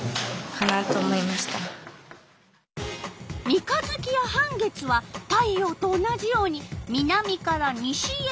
三日月や半月は太陽と同じように南から西へ行く。